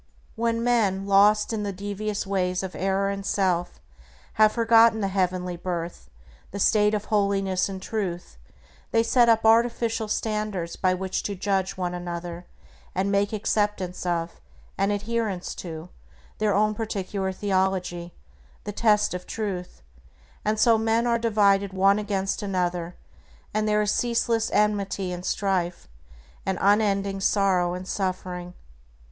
When men, lost in the devious ways of error and self, have forgotten the "heavenly birth," the state of holiness and Truth, they set up artificial standards by which to judge one another, and make acceptance of, and adherence to, their own particular theology, the test of Truth; and so men are divided one against another, and there is ceaseless enmity and strife, and unending sorrow and suffering.